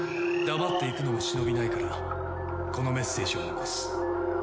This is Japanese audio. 黙っていくのも忍びないからこのメッセージを残す。